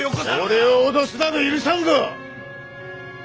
俺を脅すなど許さんぞ！